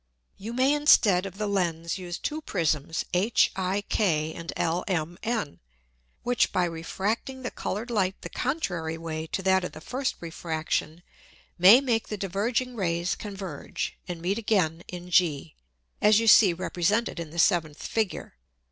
You may instead of the Lens use two Prisms HIK and LMN, which by refracting the coloured Light the contrary Way to that of the first Refraction, may make the diverging Rays converge and meet again in G, as you see represented in the seventh Figure.